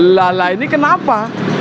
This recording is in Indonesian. lala ini kenapa